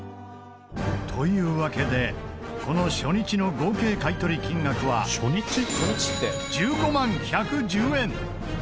というわけでこの初日の合計買い取り金額は１５万１１０円。